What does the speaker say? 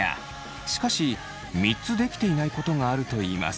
しかし３つできていないことがあるといいます。